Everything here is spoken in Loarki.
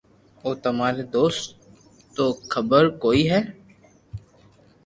او تماري دوست نو خبر ڪوئي ھي